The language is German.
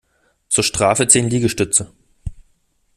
Zur Strafe zehn Liegestütze!